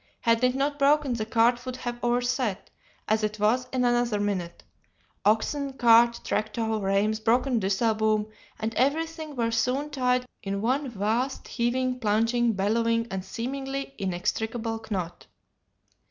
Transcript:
Had it not broken the cart would have overset; as it was, in another minute, oxen, cart, trektow, reims, broken disselboom, and everything were soon tied in one vast heaving, plunging, bellowing, and seemingly inextricable knot.